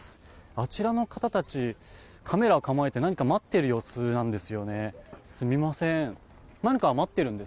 あちらの方たちカメラを構えて何か待っている様子です。